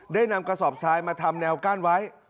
ได้นำกระสอบทรายมาทำแนวกั้นไว้